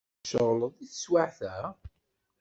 Tceɣleḍ deg teswiɛt-a?